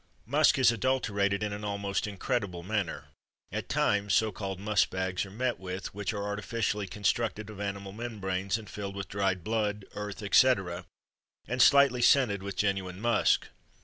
Musk is adulterated in an almost incredible manner; at times so called musk bags are met with which are artificially constructed of animal membranes and filled with dried blood, earth, etc., and slightly scented with genuine musk.